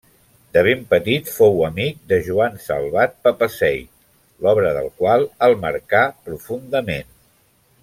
De ben petit fou amic de Joan Salvat-Papasseit, l'obra del qual el marcà profundament.